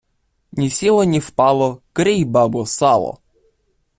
Ні сіло ні впало, крій, бабо, сало!